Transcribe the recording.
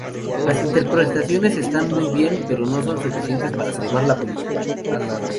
Las interpretaciones están muy bien, pero no son suficientes para salvar la película.